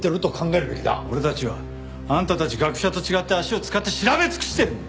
俺たちはあんたたち学者と違って足を使って調べ尽くしてるんだ！